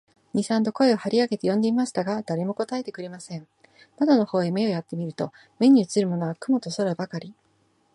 二三度声を張り上げて呼んでみましたが、誰も答えてくれません。窓の方へ目をやって見ると、目にうつるものは雲と空ばかり、